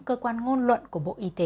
cơ quan ngôn luận của bộ y tế